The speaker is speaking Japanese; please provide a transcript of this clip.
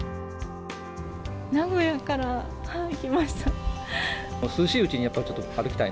名古屋から来ました。